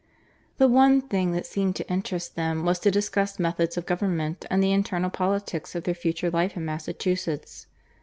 The one thing that seemed to interest them was to discuss methods of government and the internal politics of their future life in Massachusetts.